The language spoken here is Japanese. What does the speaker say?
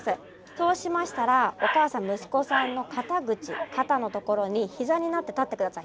そうしましたらおかあさん息子さんの肩口肩の所に膝になって立って下さい。